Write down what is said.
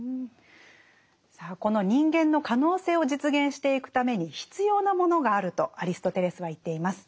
さあこの人間の可能性を実現していくために必要なものがあるとアリストテレスは言っています。